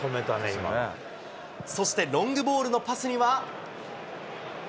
そしてロングボールのパスには。